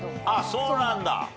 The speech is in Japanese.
あっそうなんだ。